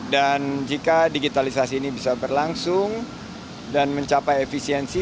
dan jika digitalisasi ini bisa berlangsung dan mencapai efisiensi